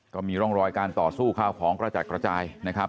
ก็มีร่องรอยการต่อสู้ข้าวของกระจัดกระจายนะครับ